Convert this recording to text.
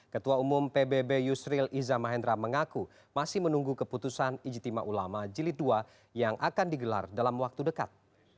ketua umum pbb yusril iza mahendra mengaku masih menunggu keputusan ijtima ulama jilid ii yang akan digelar dalam waktu dekat